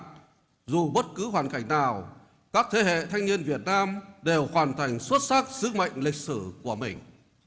trong bất cứ hoàn cảnh nào các thế hệ thanh niên việt nam đều hoàn thành xuất sắc sức mạnh lịch sử của mình